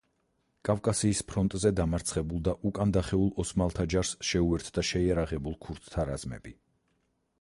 კავკასიის ფრონტზე დამარცხებულ და უკან დახეულ ოსმალთა ჯარს შეუერთდა შეიარაღებულ ქურთთა რაზმები.